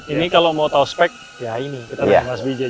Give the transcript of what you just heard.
ini kalau mau tahu spek ya ini kita ragu mas bija